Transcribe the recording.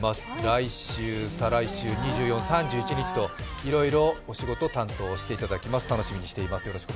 来週、再来週、２４、３１日といろいろ、お仕事担当していただきます、楽しみにしています。